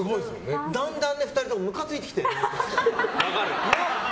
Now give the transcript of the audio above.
だんだん２人ともムカついてきてね。